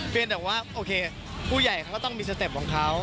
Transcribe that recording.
แต่ว่าโอเคผู้ใหญ่เขาก็ต้องมีสเต็ปของเขา